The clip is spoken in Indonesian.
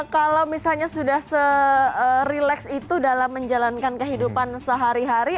kalau misalnya sudah serileks itu dalam menjalankan kehidupan sehari hari